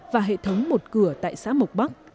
và hệ thống một cửa tại xã mộc bắc